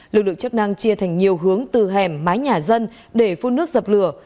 lực lượng chức năng chia thành nhiều hướng từ hẻm mái nhà dân để phun nước dập lửa